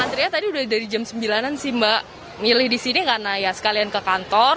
antrean tadi udah dari jam sembilanan sih mbak milih disini karena ya sekalian ke kantor